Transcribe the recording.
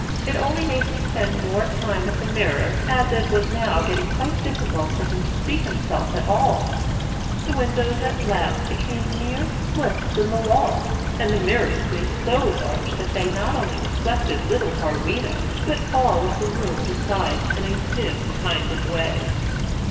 It only made him spend more time at the mirror, as it was now getting quite difficult for him to see himself at all. The windows at last became mere slits in the wall, and the mirrors grew so large that they not only reflected little Harweda but all of the room besides in a dim kind of way.